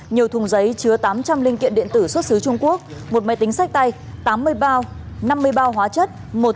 nhiều thùng giấy chứa tám trăm linh linh kiện điện tử xuất xứ trung quốc một máy tính sách tay tám mươi bao năm mươi bao hóa chất